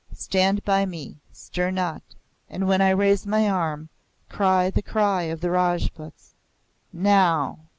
"Stand by me. Stir not. And when I raise my arm, cry the cry of the Rajputs. NOW!"